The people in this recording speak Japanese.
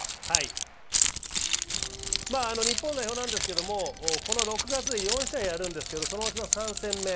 日本代表なんですけども、この６月で４試合やるんですけど、そのうちの３戦目。